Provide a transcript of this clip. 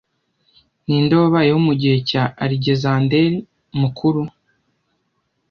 Ninde wabayeho mugihe cya Alegizandere, Mukuru